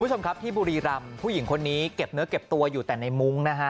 คุณผู้ชมครับที่บุรีรำผู้หญิงคนนี้เก็บเนื้อเก็บตัวอยู่แต่ในมุ้งนะฮะ